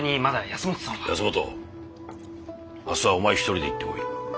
保本明日はお前一人で行ってこい。